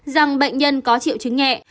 rằng bệnh nhân có triệu chứng nhẹ